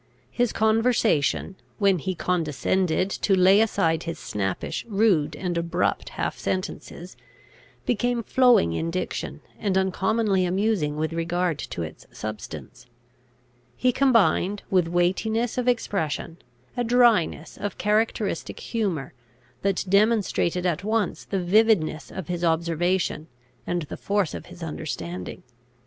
His conversation, when he condescended to lay aside his snappish, rude, and abrupt half sentences, became flowing in diction, and uncommonly amusing with regard to its substance. He combined, with weightiness of expression, a dryness of characteristic humour, that demonstrated at once the vividness of his observation, and the force of his understanding.